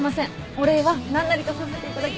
お礼は何なりとさせていただきます。